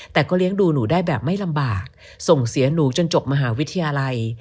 แต่ก็เลี้ยงดูหนูได้แบบไม่ลำบากส่งเสียหนูจนจบมหาวิทยาลัย